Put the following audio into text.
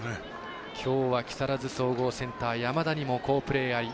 きょうは木更津総合山田にも好プレーあり。